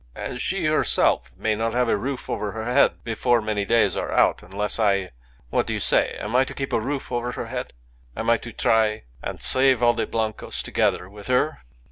"And she herself may not have a roof over her head before many days are out, unless I ... What do you say? Am I to keep a roof over her head? Am I to try and save all the Blancos together with her?"